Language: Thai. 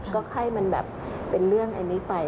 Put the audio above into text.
ก็ให้มันแบบเป็นเรื่องอันนี้ไป